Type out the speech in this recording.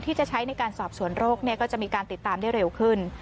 ที่จะใช้ในการสอบสวนโรคก็จะมีการติดตามได้เร็วขึ้น